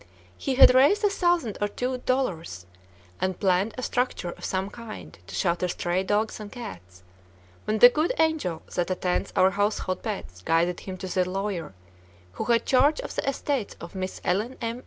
He had raised a thousand or two dollars and planned a structure of some kind to shelter stray dogs and cats, when the good angel that attends our household pets guided him to the lawyer who had charge of the estates of Miss Ellen M.